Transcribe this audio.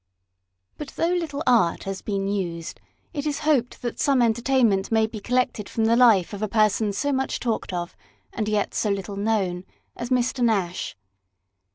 But though little art has been used, it is hoped that some entertainment may be collected from the life of a person so much talked of, and yet so little known, as Mr. Nash.